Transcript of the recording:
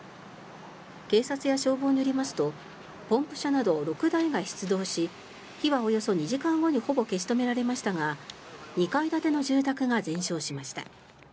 警察や消防によりますとポンプ車など６台が出動し火はおよそ２時間後にほぼ消し止められましたが２階建ての住宅が全焼しました。